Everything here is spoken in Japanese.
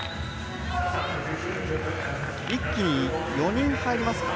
一気に４人入ります。